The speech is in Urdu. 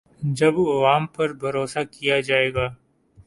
جب عوام پر بھروسہ کیا جائے گا۔